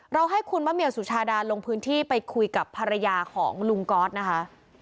ให้คุณมะเมียวสุชาดาลงพื้นที่ไปคุยกับภรรยาของลุงก๊อตนะคะ